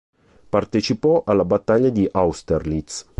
Partecipò alla battaglia di Austerlitz.